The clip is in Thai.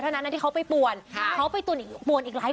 โนปันไหนคะ